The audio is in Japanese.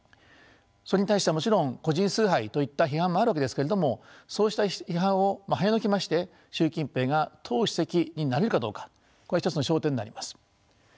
それに対してはもちろん個人崇拝といった批判もあるわけですけれどもそうした批判をはねのけまして習近平が党主席になれるかどうかこれは一つの焦点になります。